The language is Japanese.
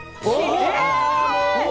え！